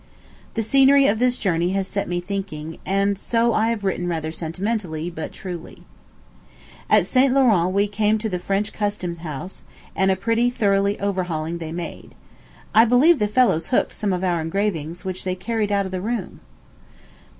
The scenery of this journey has set me thinking; and so I have written rather sentimentally, but truly. At St. Laurent we came to the French custom house, and a pretty thorough overhauling they made. I believe the fellows hooked some of our engravings, which they carried out of the room.